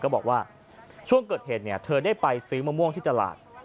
บอกว่าช่วงเกิดเหตุเธอได้ไปซื้อมะม่วงที่ตลาด